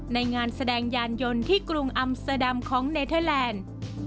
ในงานแสดงยานยนต์ที่กรุงอัมเซอร์ดัมของเนเทอร์แลนด์